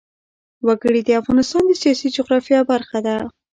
وګړي د افغانستان د سیاسي جغرافیه برخه ده.